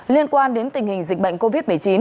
liên quan đến tình hình dịch bệnh covid một mươi chín